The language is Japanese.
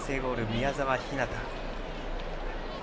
宮澤ひなたです。